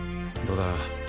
どうだ？